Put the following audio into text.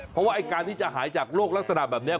เพราะว่าไอ้การที่จะหายจากโรคลักษณะแบบนี้